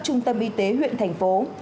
trung tâm y tế huyện thành phố